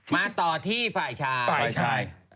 มาต่อที่หมายถึง๖